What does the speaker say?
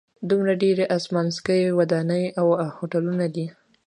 دومره ډېرې اسمانڅکي ودانۍ او هوټلونه دي.